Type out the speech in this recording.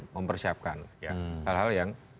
mempersiapkan hal hal yang